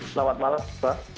selamat malam mbak